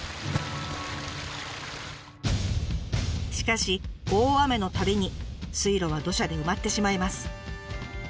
しかし大雨のたびに水路は土砂で埋まってしまいます。